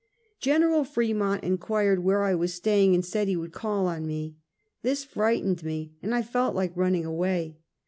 Gen. Fremont inquired where I was staying, and said he would call on me. This frightened me, and I felt like running away.